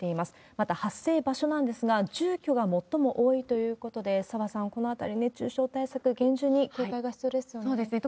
また発生場所なんですが、住居が最も多いということで、澤さん、このあたり、熱中症対策、そうですね。